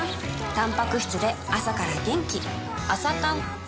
たんぱく質で朝から元気